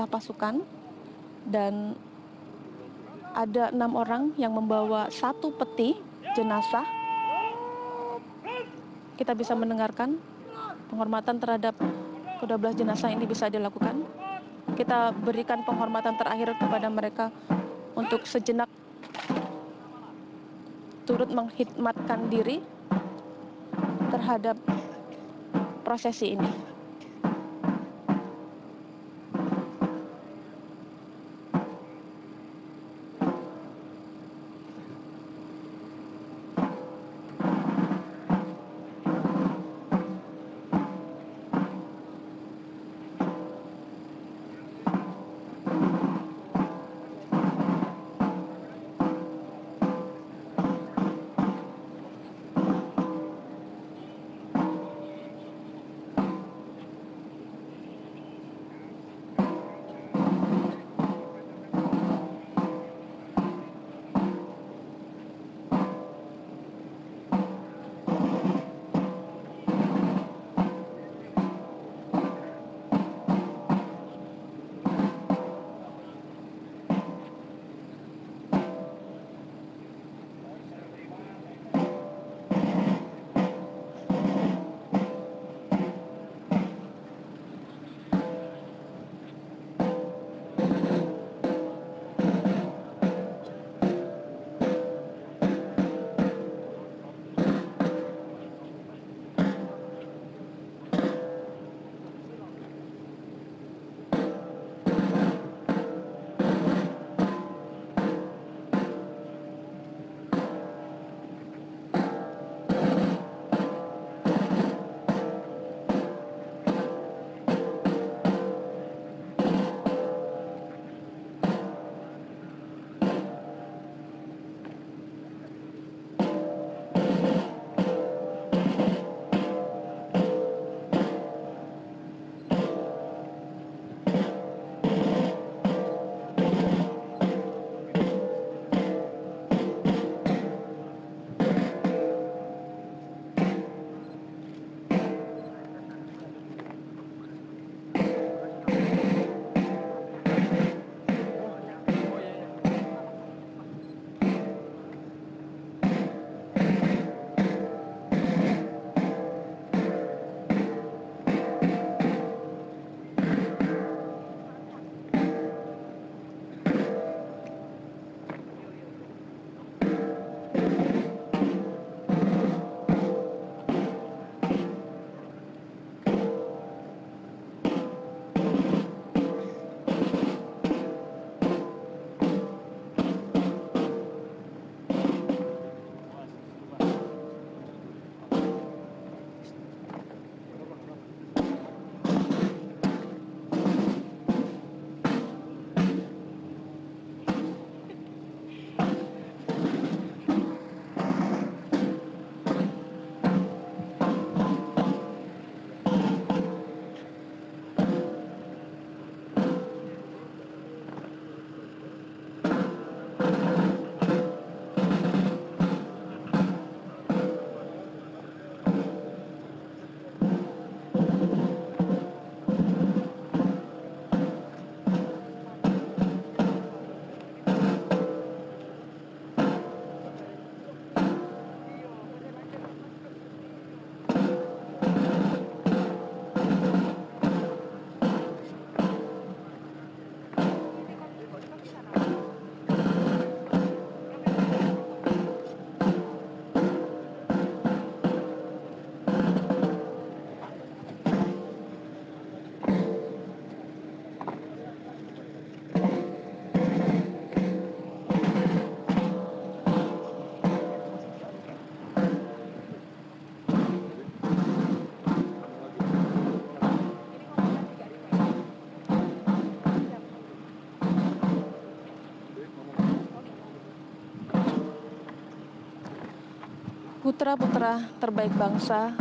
putra putra terbaik bangsa